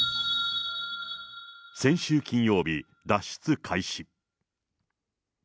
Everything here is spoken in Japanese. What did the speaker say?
先週金曜日、脱出開始。